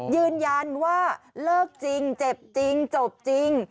ยืนยันว่าเลิกจริงเจ็บจริงจบจริง